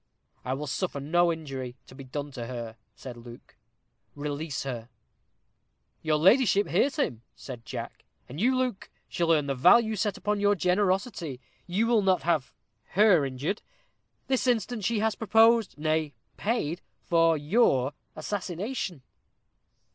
"I will suffer no injury to be done to her," said Luke; "release her." "Your ladyship hears him," said Jack. "And you, Luke, shall learn the value set upon your generosity. You will not have her injured. This instant she has proposed, nay, paid for your assassination."